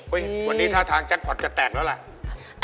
วันนี้ท่าทางจะแปลกแล้วละ